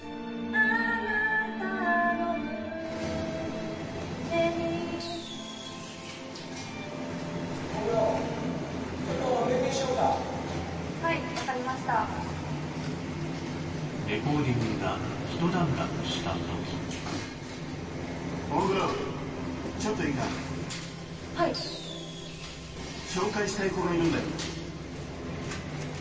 あなたの胸に大黒ちょっと休憩しようかはい分かりましたレコーディングが一段落した時大黒ちょっといいかはい紹介したい子がいるんだよ